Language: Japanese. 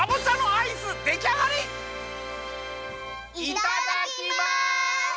いただきます！